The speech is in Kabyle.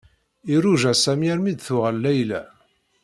Iṛuja Sami armi d-tuɣal Layla.